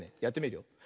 やってみるよ。